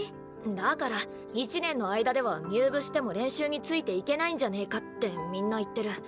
だから１年の間では入部しても練習についていけないんじゃねかってみんな言ってる。